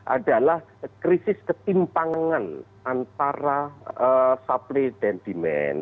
adalah krisis ketimpangan antara supply dan demand